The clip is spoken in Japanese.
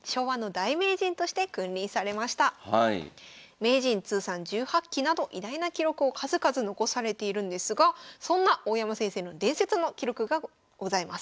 名人通算１８期など偉大な記録を数々残されているんですがそんな大山先生の伝説の記録がございます。